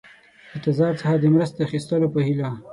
د تزار څخه د مرستې اخیستلو په هیله.